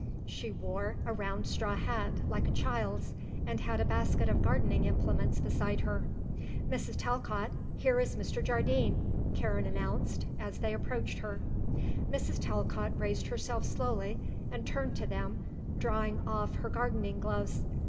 She wore a round straw hat, like a child's, and had a basket of gardening implements beside her. "Mrs. Talcott, here is Mr. Jardine," Karen announced, as they approached her. Mrs. Talcott raised herself slowly and turned to them, drawing off her gardening gloves.